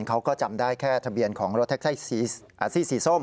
เขาก็จำได้แค่ทะเบียนของรถแท็กซี่สีส้ม